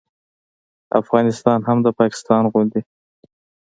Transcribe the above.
افغانستان هم د پاکستان غوندې